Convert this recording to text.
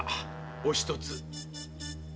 おひとつ。